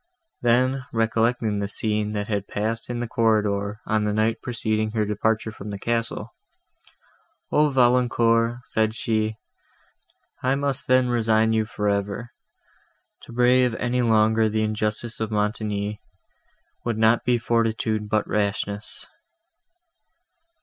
Then, recollecting the scene, that had passed in the corridor, on the night preceding her departure from the castle, "O Valancourt!" said she, "I must then resign you for ever. To brave any longer the injustice of Montoni, would not be fortitude, but rashness."